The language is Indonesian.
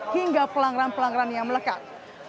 hingga pelanggaran pelanggaran yang melekat